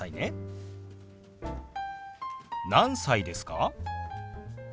何歳ですか？